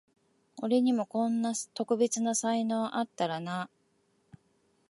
俺にもこんな特別な才能あったらなあ